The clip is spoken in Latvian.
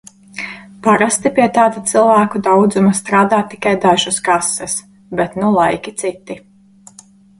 Parasti pie tāda cilvēku daudzuma strādā tikai dažas kases, bet nu laiki citi.